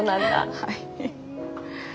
はい。